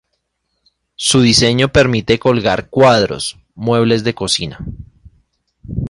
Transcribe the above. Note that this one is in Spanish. Su diseño permite colgar cuadros, muebles de cocina.